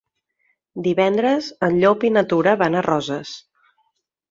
Divendres en Llop i na Tura van a Roses.